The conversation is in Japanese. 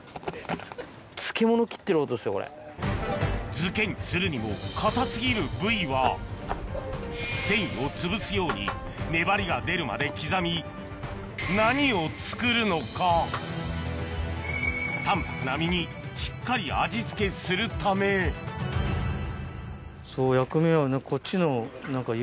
漬けにするにも硬過ぎる部位は繊維をつぶすように粘りが出るまで刻み淡泊な身にしっかり味付けするためそう薬味はね。